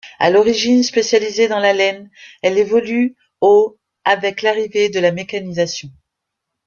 À l'origine spécialisée dans la laine, elle évolue au avec l'arrivée de la mécanisation.